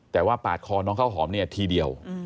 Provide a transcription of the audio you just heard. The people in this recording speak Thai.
แต่ว่าปาดคอน้องข้าวหอมเนี่ยทีเดียว